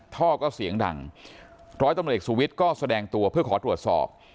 ท่อก็เสียงดังร้อยตำรวจเอกสุวิทย์ก็แสดงตัวเพื่อขอตรวจสอบ